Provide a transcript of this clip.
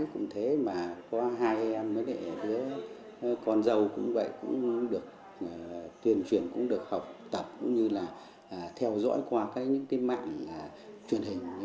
cũng thế mà có hai em với con dâu cũng vậy cũng được tuyên truyền cũng được học tập cũng như là theo dõi qua những cái mạng truyền hình